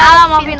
udah maafin uang